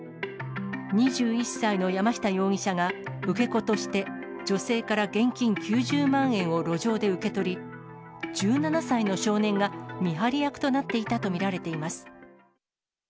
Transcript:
２１歳の山下容疑者が、受け子として女性から現金９０万円を路上で受け取り、１７歳の少年が見張り役となっていたと見られています。